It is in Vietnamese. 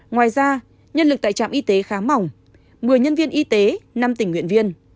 ngoài ra nhân lực tại trạm y tế khá mỏng một mươi nhân viên y tế năm tình nguyện viên